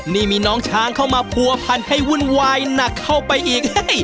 นี่มีน้องช้างเข้ามาผัวพันให้วุ่นวายหนักเข้าไปอีก